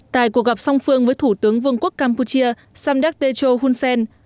tại cuộc gặp song phương với thủ tướng vương quốc campuchia samdak techo hunsen